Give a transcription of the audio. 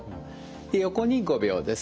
横に５秒です。